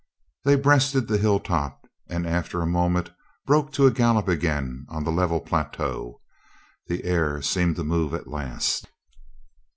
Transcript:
They breasted the hill top and .after a moment broke to a gallop again on the level plateau. The air seemed to move at last.